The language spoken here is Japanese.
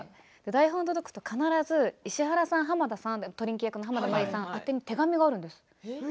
台本が届くと必ず石原さんとトリンキー役の濱田さん宛てに手紙があるんです。